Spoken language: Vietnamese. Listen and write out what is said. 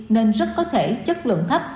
nên rất có thể chất lượng thấp